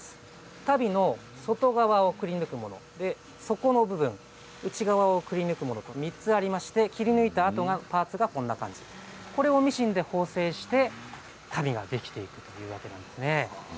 足袋の外側をくりぬくもの底の部分内側をくりぬくもの３つありまして、切り抜いたあとパーツがこんな感じ、これをミシンで縫製して足袋ができていくというわけなんですね。